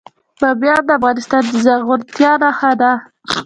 بامیان د افغانستان د زرغونتیا نښه ده.